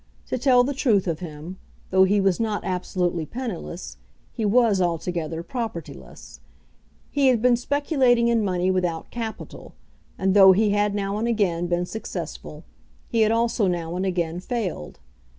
To tell the truth of him, though he was not absolutely penniless, he was altogether propertyless. He had been speculating in money without capital, and though he had now and again been successful, he had also now and again failed.